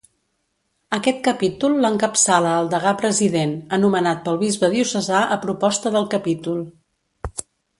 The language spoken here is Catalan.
Aquest capítol l'encapçala el Degà-President, anomenat pel bisbe diocesà a proposta del capítol.